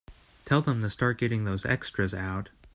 Tell them to start getting those extras out.